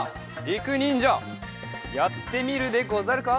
りくにんじゃやってみるでござるか？